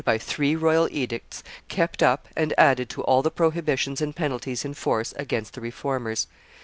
by three royal edicts, kept up and added to all the prohibitions and penalties in force against the Reformers.